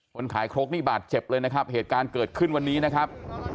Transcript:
คนขายครกนี่บาดเจ็บเลยนะครับเหตุการณ์เกิดขึ้นวันนี้นะครับ